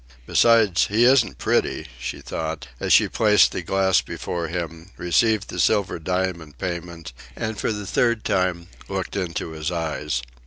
"Besides, he isn't pretty," she thought, as she placed the glass before him, received the silver dime in payment, and for the third time looked into his eyes.